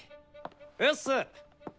うっす！